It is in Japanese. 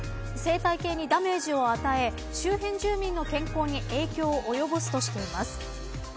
生態系にダメージを与え周辺住民の健康に影響を及ぼすとしています。